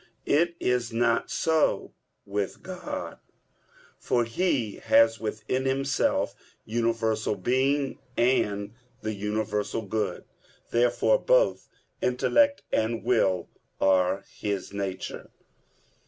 It is not so with God, for He has within Himself universal being, and the universal good. Therefore both intellect and will are His nature.